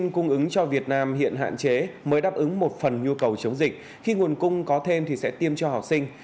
cung ứng cho việt nam hiện hạn chế mới đáp ứng một phần nhu cầu chống dịch khi nguồn cung có thêm thì sẽ tiêm cho học sinh